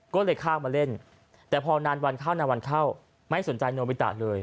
ก็เลยห้าปมาเล่นแต่พอนานวันข้าวไม่สนใจโนวิตะเลย